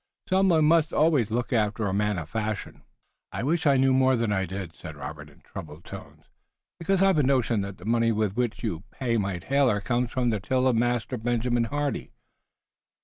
Some one must always look after a man of fashion." "I wish I knew more than I do," said Robert in troubled tones, "because I've a notion that the money with which you will pay my tailor comes from the till of Master Benjamin Hardy.